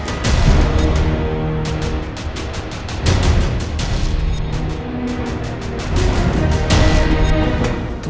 bukan itu anak ben yang kemarin